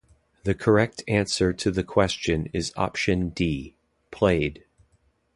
The correct answer to the question is option d - "played".